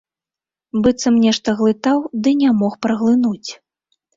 Быццам нешта глытаў ды не мог праглынуць.